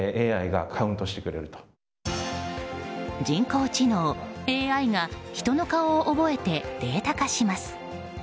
人工知能・ＡＩが人の顔を覚えてデータ化します。